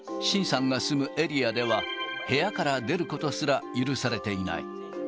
秦さんが住むエリアでは、部屋から出ることすら許されていない。